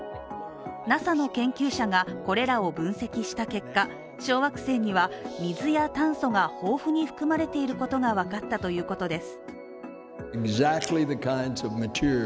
ＮＡＳＡの研究者がこれらを分析した結果、小惑星には水や炭素が豊富に含まれていることが分かったということです。